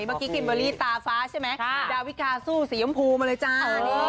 เมื่อกี้คิมเบอร์รี่ตาฟ้าใช่ไหมดาวิกาสู้สีย้มพูมาเลยจ้า